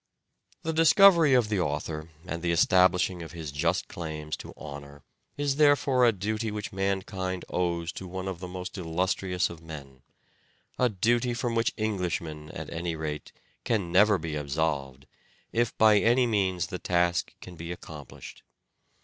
The discovery of the author and the establishing of his just claims to honour is therefore a duty which mankind owes to one of the most illustrious of men ; a duty from which Englishmen, at any rate, can never be absolved, if by any means the task can be 94 " SHAKESPEARE " IDENTIFIED accomplished.